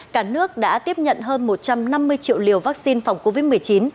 cả nước đã tiếp nhận hơn một trăm năm mươi triệu liều vaccine phòng covid một mươi chín